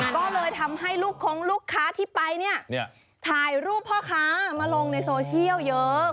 ก็เลยทำให้ลูกคงลูกค้าที่ไปเนี่ยถ่ายรูปพ่อค้ามาลงในโซเชียลเยอะ